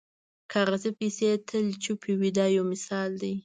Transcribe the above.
کاغذي پیسې تل چوپې وي دا یو مثال دی.